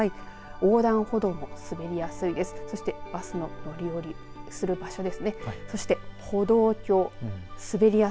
横断歩道も滑りやすいです。